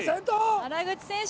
原口選手！